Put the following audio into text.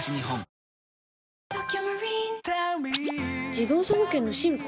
自動車保険の進化？